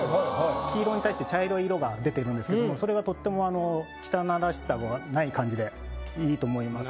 黄色に対して茶色い色が出てるんですけどもそれがとっても汚らしさがない感じでいいと思います。